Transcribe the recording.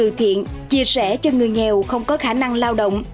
bữa cơm từ thiện chia sẻ cho người nghèo không có khả năng lao động